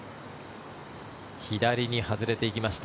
左に外れていきました。